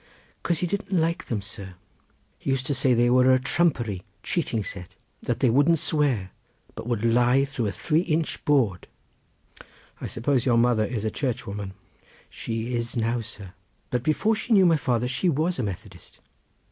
"'Cause he didn't like them, sir; he used to say they were a trumpery, cheating set; that they wouldn't swear, but would lie through a three inch board." "I suppose your mother is a churchwoman?" "She is now, sir; but before she knew my father she was a Methodist."